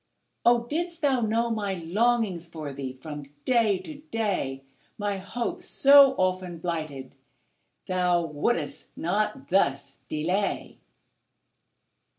Oh, didst thou know my longings For thee, from day to day, My hopes, so often blighted, Thou wouldst not thus delay!